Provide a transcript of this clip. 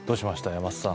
山里さん。